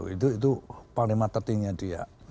itu panglima tertingginya dia